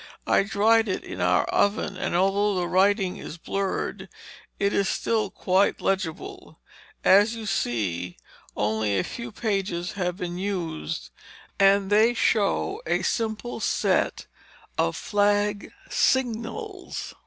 "I dried it in our oven and although the writing is blurred, it is still quite legible. As you see, only a few pages have been used, and they show a simple set of flag signals.